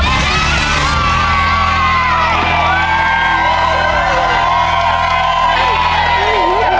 โอ๊ยยกมือ